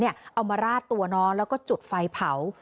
เอามาราดตัวน้องแล้วก็จุดไฟเผา